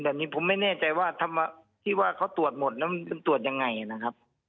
แต่นี่ผมไม่แน่ใจว่าที่ว่าเขาตรวจหมดแล้วมันตรวจยังไงนะครับ